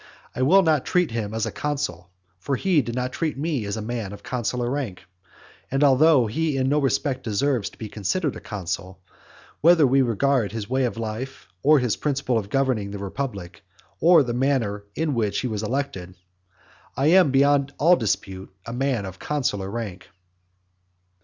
I will not treat him as a consul, for he did not treat me as a man of consular rank; and although he in no respect deserves to be considered a consul, whether we regard his way of life, or his principle of governing the republic, or the manner in which he was elected, I am beyond all dispute a man of consular rank.